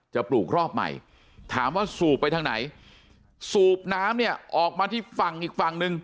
ปลูกรอบใหม่ถามว่าสูบไปทางไหนสูบน้ำเนี่ยออกมาที่ฝั่งอีกฝั่งหนึ่ง